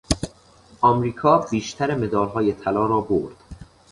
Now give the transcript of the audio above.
امریکا بیشتر مدالهای طلا را برد.